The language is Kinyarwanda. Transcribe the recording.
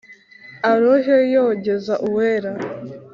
arohe yogeze uwera